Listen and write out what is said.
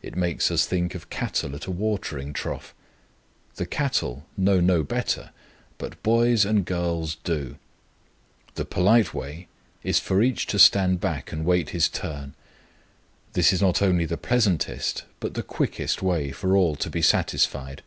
It makes us think of cattle at a watering trough. The cattle know no better, but boys and girls do. The polite way is for each to stand back and wait his turn. This is not only the pleasantest but the quickest way for all to be satisfied.